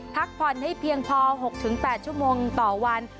พักผ่อนให้เพียงพอ๖๘ชั่วโมงต่อวัน